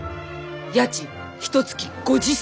家賃ひとつき５０銭。